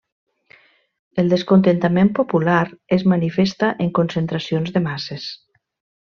El descontentament popular es manifesta en concentracions de masses.